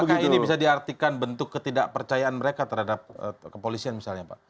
apakah ini bisa diartikan bentuk ketidakpercayaan mereka terhadap kepolisian misalnya pak